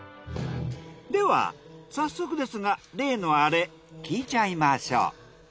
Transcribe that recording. では早速ですが例のアレ聞いちゃいましょう。